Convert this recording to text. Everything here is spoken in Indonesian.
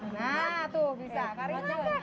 nah tuh bisa karim langkah